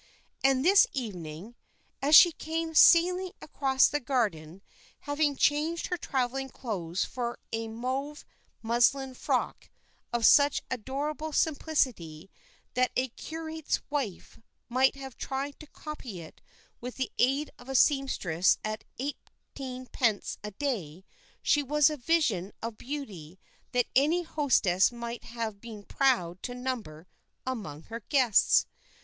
And this evening, as she came sailing across the garden, having changed her travelling clothes for a mauve muslin frock of such adorable simplicity that a curate's wife might have tried to copy it with the aid of a seamstress at eighteenpence a day, she was a vision of beauty that any hostess might have been proud to number among her guests.